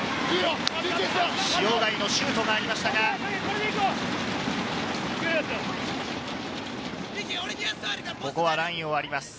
塩貝のシュートがありましたが、ここはラインを割ります。